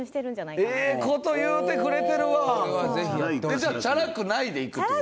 じゃあ「チャラくない」でいくって事？